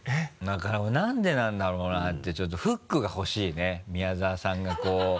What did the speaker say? だからなんでなんだろうな？ってちょっとフックがほしいね宮澤さんがこう。